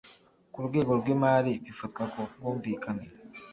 k urwego rw imari bifatwa ku bwumvikane